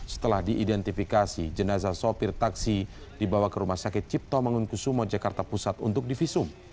setelah diidentifikasi jenazah sopir taksi dibawa ke rumah sakit cipto mangunkusumo jakarta pusat untuk divisum